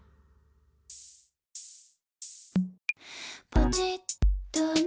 「ポチッとね」